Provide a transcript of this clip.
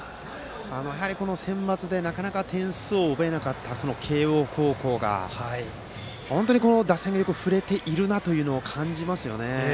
やはりセンバツで点数を奪えなかった慶応高校が、本当に打線よく振れているなというのを感じますね。